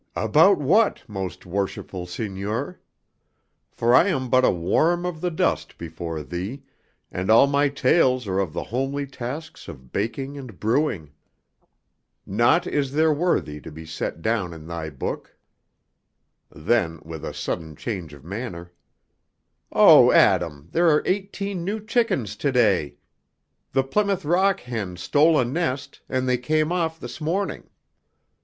"About what, most worshipful seigneur? For I am but a worm of the dust before thee, and all my tales are of the homely tasks of baking and brewing. Naught is there worthy to be set down in thy book." Then, with a sudden change of manner, "Oh, Adam, there are eighteen new chickens to day! The Plymouth Rock hen stole a nest, and they came off this morning.